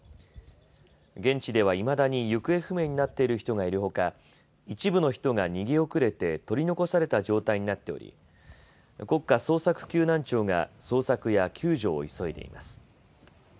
現地ではいまだに行方不明になっている人がいるほか一部の人が逃げ遅れて取り残された状態になっており国家捜索救難庁が捜索や救助を急いでいます。